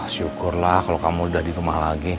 syukurlah kalau kamu udah di rumah lagi